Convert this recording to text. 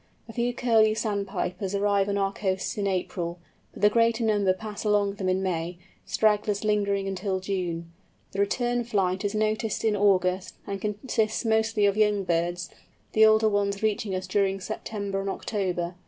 A few Curlew Sandpipers arrive on our coasts in April, but the greater number pass along them in May, stragglers lingering until June. The return flight is noticed in August, and consists mostly of young birds, the older ones reaching us during September and October.